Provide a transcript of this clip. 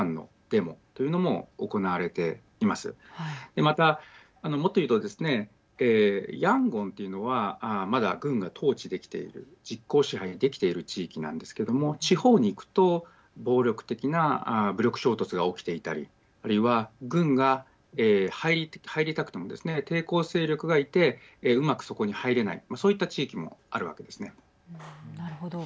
またもっと言うとですねヤンゴンというのはまだ軍が統治できている実効支配できている地域なんですけども地方に行くと暴力的な武力衝突が起きていたりあるいは軍が入りたくてもですね抵抗勢力がいてうまくそこに入れないそういった地域もなるほど。